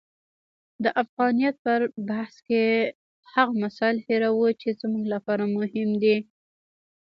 د افغانیت پر بحث کې هغه مسایل هیروو چې زموږ لپاره مهم دي.